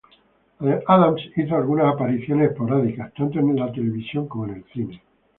Adams hizo alguna apariciones esporádicas tanto en la televisión como en el cine.